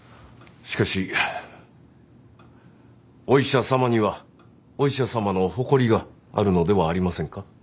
しかしお医者様にはお医者様の誇りがあるのではありませんか？